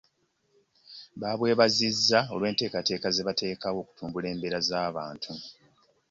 Babwebazizza olw'enteekateeka ze buteekawo okutumbula embeera z'abantu.